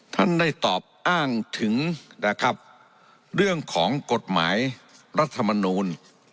ท่านได้ตอบอ้างถึงนะครับเรื่องของกฎหมายรัฐมนูล